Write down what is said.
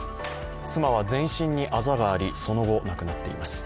妻は全身にあざがあり、その後、亡くなっています。